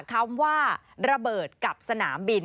คำว่าระเบิดกับสนามบิน